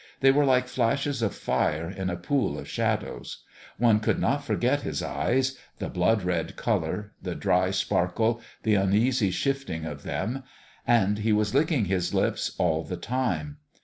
They were like flashes of fire in a pool of shadows. One could not forget his eyes the blood red col our, the dry sparkle, the uneasy shifting of them. And he was licking his lips all the time.